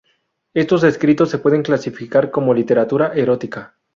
Estos escritos se pueden clasificar como literatura erótica.